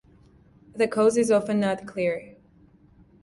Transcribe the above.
The cause is often not clear.